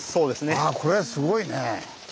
あこれはすごいね。